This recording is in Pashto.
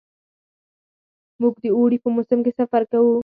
موږ د اوړي په موسم کې سفر کوو.